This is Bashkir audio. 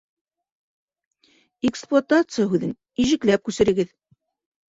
«Эксплуатация» һүҙен ижекләп күсерегеҙ